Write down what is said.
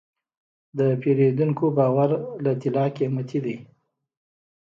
د پیرودونکي باور له طلا قیمتي دی.